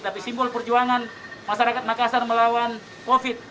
tapi simbol perjuangan masyarakat makassar melawan covid sembilan belas